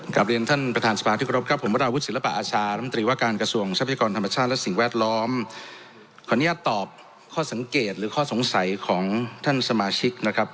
ขออนุญาตตอบข้อสังเกตหรือข้อสงสัยของท่านสมาชิกนะครับ